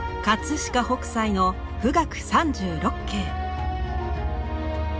飾北斎の「冨嶽三十六景」。